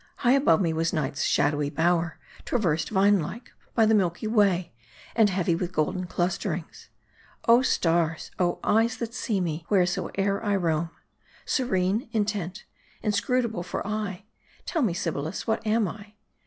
High above me was Night's shadowy bower, traversed, vine like, by the Milky Way, and heavy with golden clusterings. Oh stars ! oh eyes, that see me, wheresoe'er I roam : serene, intent, inscrutable for aye, tell me Sybils, what I am.